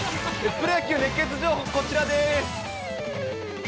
プロ野球熱ケツ情報、こちらです。